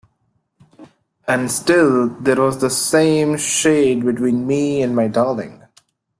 And still there was the same shade between me and my darling.